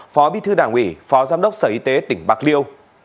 phó bí thư đảng ủy phó giám đốc sở y tế tỉnh bạc liêu